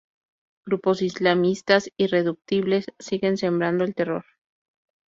Grupos islamistas irreductibles siguen sembrando el terror.